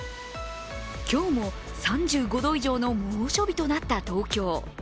今日も３５度以上の猛暑日となった東京。